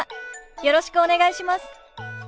よろしくお願いします。